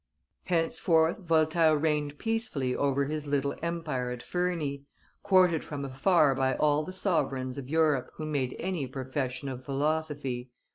Henceforth Voltaire reigned peacefully over his little empire at Ferney, courted from afar by all the sovereigns of Europe who made any profession of philosophy.